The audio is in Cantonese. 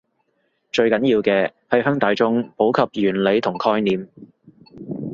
最重要嘅係向大衆普及原理同概念